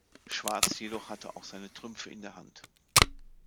Schwarz jedoch hat auch seine Trümpfe in der Hand.